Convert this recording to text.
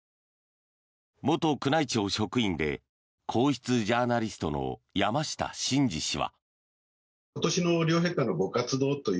元宮内庁職員で皇室ジャーナリストの山下晋司氏は。